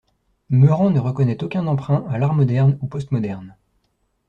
Meurant ne reconnaît aucun emprunt à l’art moderne ou post-moderne.